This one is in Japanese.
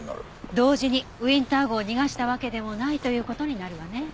同時にウィンター号を逃がしたわけでもないという事になるわね。